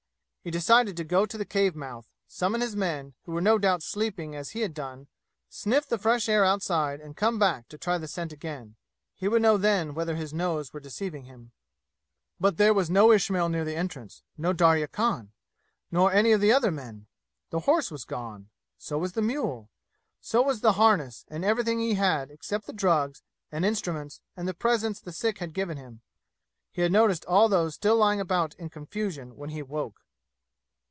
He decided to go to the cave mouth, summon his men, who were no doubt sleeping as he had done, sniff the fresh air outside and come back to try the scent again; he would know then whether his nose were deceiving him. But there was no Ismail near the entrance no Darya Khan nor any of the other men. The horse was gone. So was the mule. So was the harness, and everything he had, except the drugs and instruments and the presents the sick had given him; he had noticed all those still lying about in confusion when he woke.